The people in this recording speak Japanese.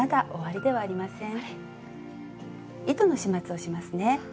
糸の始末をしますね。